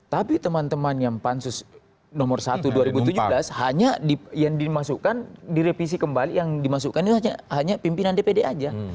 tapi teman teman yang pansus nomor satu dua ribu tujuh belas hanya yang dimasukkan direvisi kembali yang dimasukkan itu hanya pimpinan dpd saja